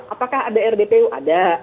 apakah ada rdpu ada